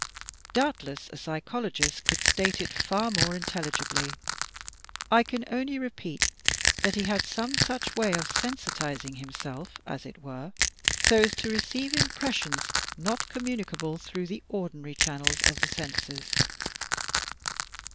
Doubt less a psychologist could state it far more intelligibly; I can only repeat that he had some such way of sensitizing himself, as it were, so as to receive impressions not communicable through the ordinary channels of the senses.